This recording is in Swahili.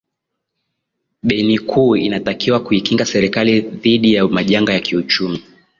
beni kuu inatakiwa kuikinga serikali dhidi ya majanga ya kiuchumi